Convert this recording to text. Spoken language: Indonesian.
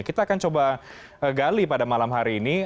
kita akan coba gali pada malam hari ini